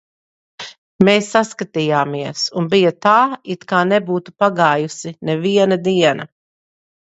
Mēs saskatījāmies, un bija tā, it kā nebūtu pagājusi neviena diena.